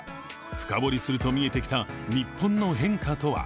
深掘りすると見えてきた日本の変化とは。